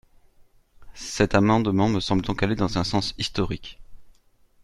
Cet amendement me semble donc aller dans un sens historique.